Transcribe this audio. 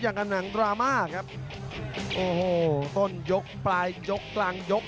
อย่างกันหนังดราม่าครับโอ้โหต้นยกปลายยกกลางยก